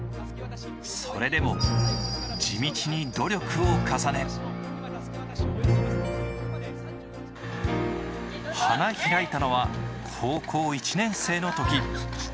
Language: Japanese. それでも地道に努力を重ね花開いたのは高校１年生のとき。